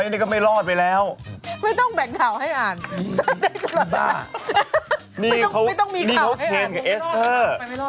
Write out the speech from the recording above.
นี่เขากเล่นเขียนกับเอสเตอร์